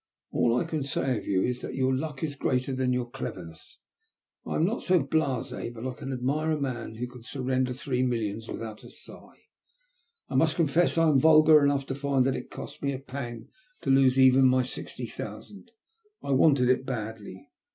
"All I can say of you is that your luck is greater than your clever ness. I am not so blasi but I can admire a man who can surrender three millions without a sigh. I must I 382 THE LUST OF HATE. confess I am vulgar enough to find that it costs me a pang to lose even my sixty thousand. I wanted it badly.